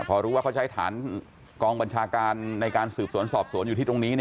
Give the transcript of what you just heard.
พอรู้ว่าเขาใช้ฐานกองบัญชาการในการสืบสวนสอบสวนอยู่ที่ตรงนี้